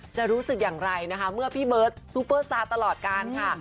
จะรู้สึกอย่างไรนะคะเมื่อพี่เบิร์ตซูเปอร์สตาร์ตลอดการค่ะ